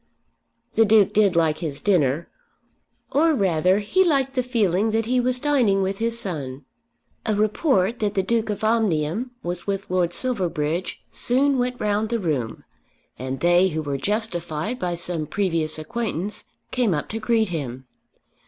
The Duke did like his dinner, or rather he liked the feeling that he was dining with his son. A report that the Duke of Omnium was with Lord Silverbridge soon went round the room, and they who were justified by some previous acquaintance came up to greet him.